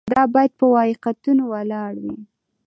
دا باید په واقعیتونو ولاړ وي.